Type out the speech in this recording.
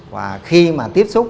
và khi mà tiếp xúc